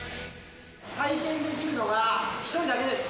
体験できるのが１人だけです。